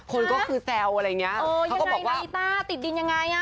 คนก็คือแซวอะไรอย่างเงี้ยเขาก็บอกว่ากีต้าติดดินยังไงอ่ะ